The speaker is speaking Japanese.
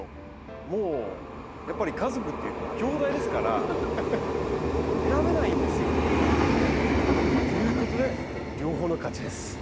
もうやっぱり家族っていうかもうきょうだいですから選べないんですよこれは。ということで両方の勝ちです。